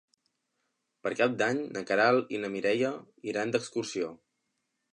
Per Cap d'Any na Queralt i na Mireia iran d'excursió.